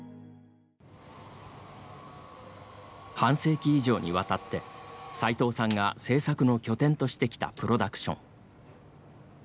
半世紀以上にわたってさいとうさんが制作の拠点としてきたプロダクション。